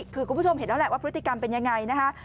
คือคุณผู้ชมเห็นแล้วแหละว่าพฤติกรรมเป็นยังไงนะคะ